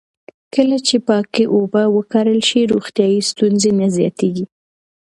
کله چې پاکې اوبه وکارول شي، روغتیایي ستونزې نه زیاتېږي.